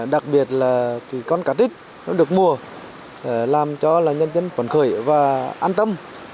đặc biệt là con cá trích được mua làm cho nhân dân phần khởi và an tâm